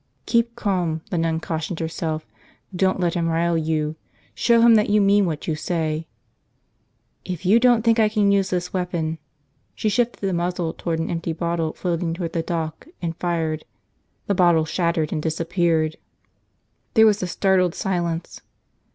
Keep calm, the nun cautioned herself, don't let him rile you. Show him that you mean what you say. "If you don't think I can use this weapon ..." She shifted the muzzle toward an empty bottle floating toward the dock and fired. The bottle shattered and disappeared. There was a startled silence.